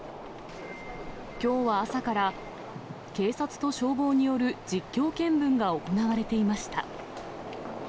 きょうは朝から、警察と消防による実況見分が行われていました。